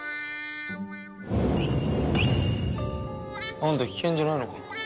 あんた棄権じゃないのか？